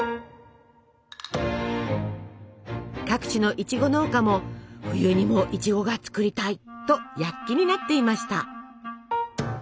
各地のいちご農家も「冬にもいちごが作りたい」と躍起になっていました。